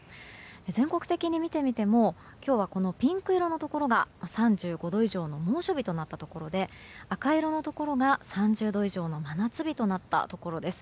全国的に見てみても今日はこのピンク色のところが３５度以上の猛暑日となったところで赤色のところが３０度以上の真夏日となったところです。